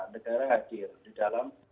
negara hadir di dalam